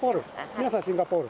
皆さんシンガポール？